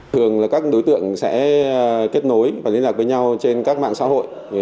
thường là các đối tượng sẽ kết nối và liên lạc với nhau trên các mạng xã hội